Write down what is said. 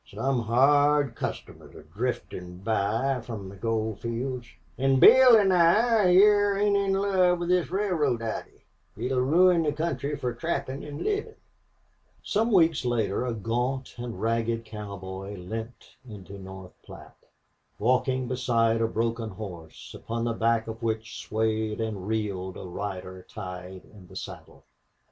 Some hard customers are driftin' by from the gold fields. An' Bill an' I, hyar, ain't in love with this railroad idee. It 'll ruin the country fer trappin' an' livin'." Some weeks later a gaunt and ragged cowboy limped into North Platte, walking beside a broken horse, upon the back of which swayed and reeled a rider tied in the saddle.